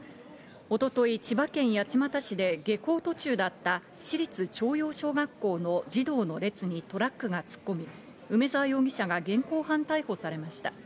一昨日、千葉県八街市で下校途中だった市立朝陽小学校の児童の列にトラックが突っ込み、梅沢容疑者が現行犯逮捕されました。